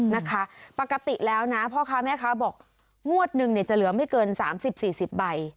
นะคะปกติแล้วนะพ่อค้าแม่ค้าบอกงวดหนึ่งเนี่ยจะเหลือไม่เกิน๓๐๔๐ใบ